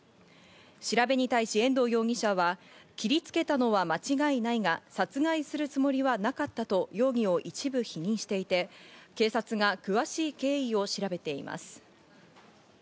調べに対し遠藤容疑者は切りつけたのは間違いないが殺害するつもりはなかったと容疑を一部否認していて警察が詳しい経緯を調べています。